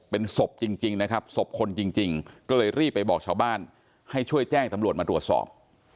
เป็นศพจริงนะครับศพคนจริงก็เลยรีบไปบอกชาวบ้านให้ช่วยแจ้งตำรวจมาตรวจสอบ